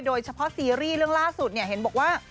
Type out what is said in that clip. โดยเฉพาะซีรีส์เรื่องล่าสุดเห็นบอกว่า